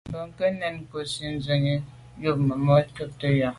Bwɔ́ŋkə́’ nɛ̀n cɔ́sì ndʉ sɛ́ɛ̀nî ndɛ́mbə̄ júp màmá cúptə́ úp.